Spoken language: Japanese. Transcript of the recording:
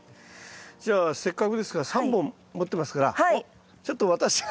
じゃあせっかくですから３本持ってますからちょっと私が。